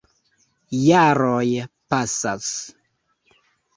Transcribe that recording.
Jaroj pasas.